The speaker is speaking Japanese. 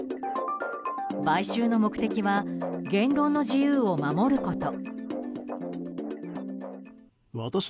買収の目的は言論の自由を守ること。